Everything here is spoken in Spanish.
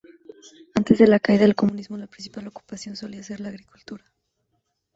Antes de la caída del comunismo, la principal ocupación solía ser la agricultura.